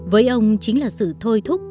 với ông chính là sự thôi thúc